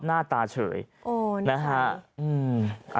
หน้าตาเฉยโอ้นี่ค่ะ